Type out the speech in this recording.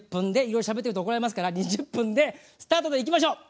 ようしゃべってると怒られますから２０分でスタートといきましょう。